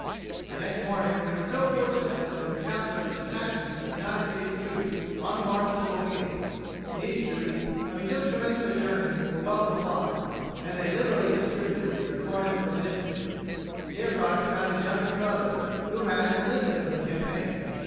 The next morning they were so fortunate as to encounter a detachment of United States troops on the march to Mobile. These troops, having just commenced their journey, were well supplied; and they liberally distributed their corn and provisions. Here Crockett found his youngest brother, who had enlisted for the campaign.